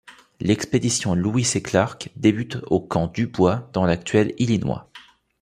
L'expédition Lewis et Clark débute au Camp Dubois dans l'actuel Illinois.